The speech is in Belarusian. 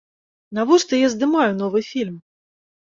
Навошта я здымаю новы фільм?